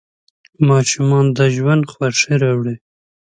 ماشومان د ژوند خوښي راوړي.